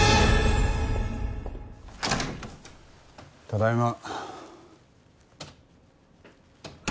ただいま。